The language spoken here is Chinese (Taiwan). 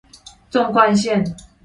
縱貫線